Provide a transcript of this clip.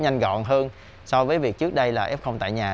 nhanh gọn hơn so với việc trước đây là f tại nhà